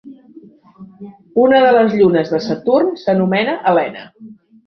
Una de les llunes de Saturn s'anomena Helena.